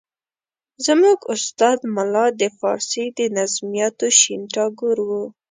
زموږ استاد ملا د فارسي د نظمیاتو شین ټاګور وو.